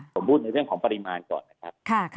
ผมพูดในเรื่องของปริมาณก่อนนะครับ